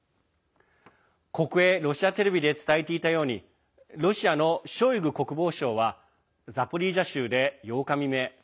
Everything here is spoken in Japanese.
国営ロシアテレビで伝えていたようにロシアのショイグ国防相はザポリージャ州で８日未明